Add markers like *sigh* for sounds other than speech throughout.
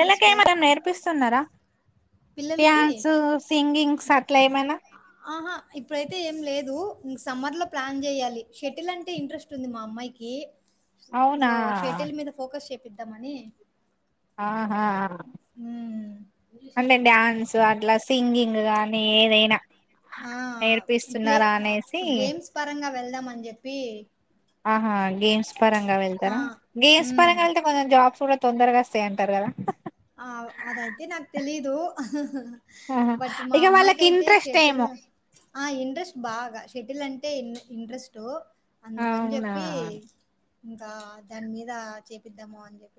Sister నేర్పిస్తున్నారా పిల్లలకి dance, singings అట్ ఆహా ఇప్పుడైతే ఏం లేదు. ఇ సమ్మర్ లో ప్లాన్ జేయాలి. షెటిల్ అంటే ఇంట్రెస్ట్ ఉంది. మా అమ్మాయికి. అవునా సో షటిల్ మీద ఫోకస్ చే పెద్దమనీ ఆ హా ఉమ్ అంటే డ్యాన్సు అట్లా సింగింగ్ అట్ట కానీ ఏదైనా ఆ ఇ ప్లే నేర్పిస్తున్నారా అనేసి గేమ్స్ పరంగా వెళ్ దమన్ చెప్పి ఆహా గేమ్స్ పరంగా ఆ వెళ్తారా గేమ్స్ ఉమ్ పరంగా వెళ్తే కొంచం జాబ్స్ కూడా తొందరగాస్తే అంటారు కదా ఆ అదైతే నాకు తెలీదు ఆహా బట్ మా ఇక అమ్మాయికి వాళ్ళకి అయితే ఇంట్రెస్ట్ షటిల్ ఏమో ఆ ఇంట్రెస్ట్ బాగా షటిల్ అంటే ఇంట్రెస్ట్ో అందుకని అవునా చెప్పి ఇంకా దాని మీద చేపిద్దాము అని చెప్పి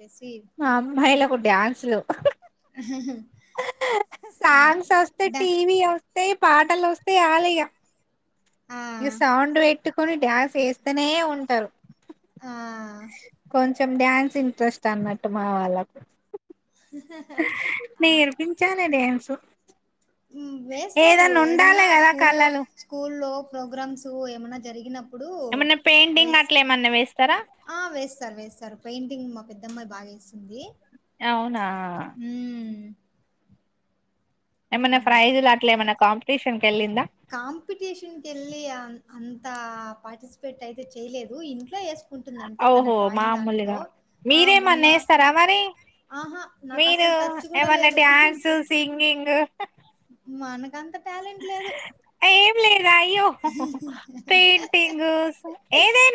అమ్మాయిళ కూడా డ్యాన్సులు హ *inaudible* సాంగస్ వస్తె ద టీవీ అ తే పాటల్ వస్తాయి ఆల్ ఇగ ఆ ఇ సౌండ్ పెట్టుకొని డ్యాన్స్ వేస్తేనే ఉంటారు ఆ కొంచెం డ్యాన్స్ ఇంట్రెస్ట్ అన్నట్టు మా వాళ్ళకు నేర్పించానే డ్యాన్సు వేస్తారు ఏదన్నా ఉండాలె కదా స్కూల్లో కళలు స్కూల్లో ప్రోగ్రామ్స్ ఏమన్నా జరిగిన ఇప్పుడు ఏమన్నా వే పెయింటింగ్ అట్లా ఏమన్నా వేస్తారా వేస్తారు వేస్తారు పెయింటింగ్ మా పెద్దమ్మా! బాగేస్తుంది అవునా మ్మ్ ఏమైన్నా ఫ్రైజ్లు అట్లా ఏమైన్నా కాంపిటీషన్ కే ళ్ళిందా కాంపిటీషన్‌కి ఎళ్లి అన్ అంత పార్టిసిపేట్ అయితే చేయలేదు ఇంట్లో చెస్ ఓహో మామూలుగా ఆ! మొన్న మీరేమన్నాఏస్తారా మరి అహా! మీరు నాకసలు టచ్ గూడా ఏమన్నా లేదు. డ్యాన్సు సింగింగ్ మనకంత టాలెంట్ లేదు. ఏం లేదా అయ్యో పెయింటింగ్ ఏదైనా